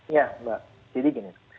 ya mbak jadi gini